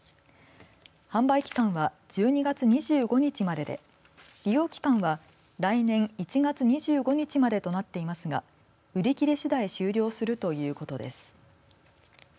販売期間は１２月２５日までで利用期間は来年１月２５日までとなっていますが売り切れしだい終了するということです。